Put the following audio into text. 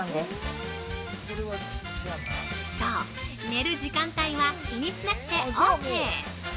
寝る時間帯は気にしなくてオーケー。